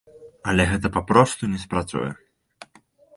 Але гэта папросту не спрацуе.